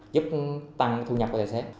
giúp tăng thu nhập của tài xế